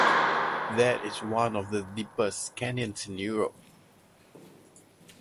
That is one of the deepest canyons in Europe.